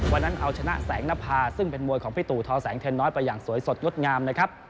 วันนั้นเอาชนะแสงนภาซึ่งเป็นมวยของพี่ตู่ทอแสงเทนน้อยไปอย่างสวยสดงดงามนะครับ